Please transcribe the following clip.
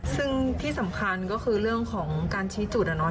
ซึ่งที่สำคัญก็คือเรื่องของการชี้จุดอะเนาะ